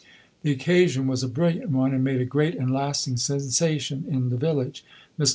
The occasion was a brilliant one, and made a great and lasting sensation in the village. Mr.